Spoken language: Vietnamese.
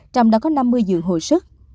trong đó có năm mươi dường hồi sức